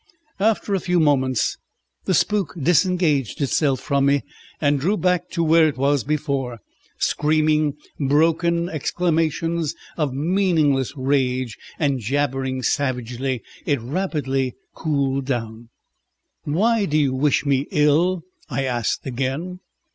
After a few moments the spook disengaged itself from me, and drew back to where it was before, screaming broken exclamations of meaningless rage, and jabbering savagely. It rapidly cooled down. "Why do you wish me ill?" I asked again.